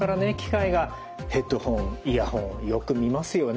ヘッドホン・イヤホンよく見ますよね。